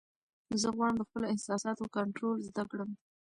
زه غواړم د خپلو احساساتو کنټرول زده کړم.